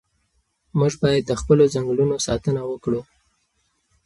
موږ باید د خپلو ځنګلونو ساتنه وکړو.